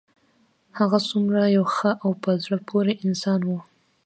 هغه څومره یو ښه او په زړه پورې انسان و